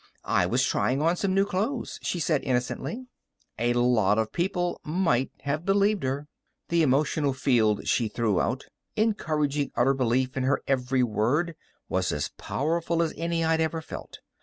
"I was trying on some new clothes," she said innocently. A lot of people might have believed her. The emotional field she threw out, encouraging utter belief in her every word, was as powerful as any I'd ever felt.